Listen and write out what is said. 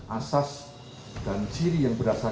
asal asal hti yang diperlukan oleh pemerintah